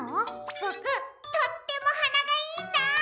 ボクとってもはながいいんだ！